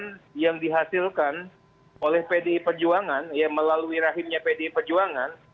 yang dihasilkan oleh pdi perjuangan melalui rahimnya pdi perjuangan